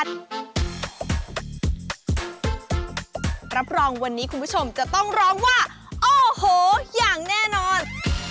รับรองวันนี้คุณผู้ชมจะต้องร้องว่าโอ้โหอย่างแน่นอน